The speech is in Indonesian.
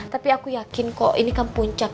tapi aku yakin kok ini kan puncak